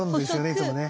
いつもね。